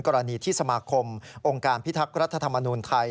กรณีที่สมาคมองค์การพิทักษ์รัฐธรรมนูญไทย